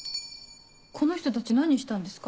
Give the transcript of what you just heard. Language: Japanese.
この人たち何したんですか？